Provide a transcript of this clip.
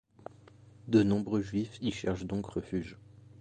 De nombreux Juifs y cherchent donc refuge.